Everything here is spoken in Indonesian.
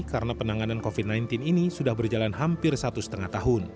karena penanganan covid sembilan belas ini sudah berjalan hampir satu setengah tahun